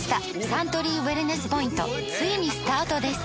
サントリーウエルネスポイントついにスタートです！